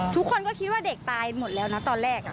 ทุกคนก็คิดว่าเด็กตายหมดแล้วนะตอนแรก